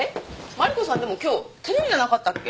マリコさんでも今日テレビじゃなかったっけ？